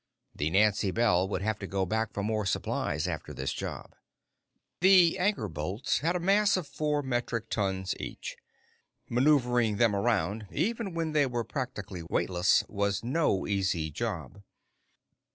The Nancy Bell would have to go back for more supplies after this job. The anchor bolts had a mass of four metric tons each. Maneuvering them around, even when they were practically weightless, was no easy job.